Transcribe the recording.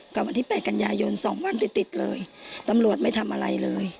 วันที่๘กันยายน๒วันติดติดเลยตำรวจไม่ทำอะไรเลย